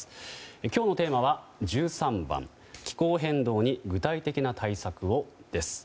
今日のテーマは１３番「気候変動に具体的な対策を」です。